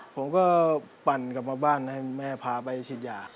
ผมก็ปั่นกลับมาบ้านให้แม่พาไปฉีดยา